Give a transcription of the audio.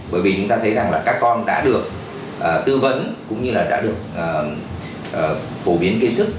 bởi vì chúng ta thấy rằng là các con đã được tư vấn cũng như là đã được phổ biến kiến thức